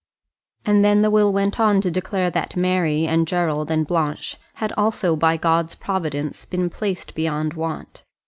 And then the will went on to declare that Mary, and Gerald, and Blanche, had also, by God's providence, been placed beyond want.